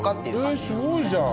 すごいじゃん。